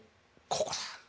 ここだ。